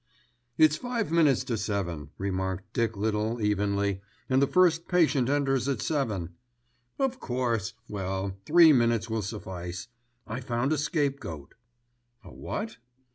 "It's five minutes to seven," remarked Dick Little evenly, "and the first patient enters at seven." "Of course. Well, three minutes will suffice. I found a scapegoat." "A what?"